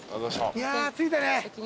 いや着いたね。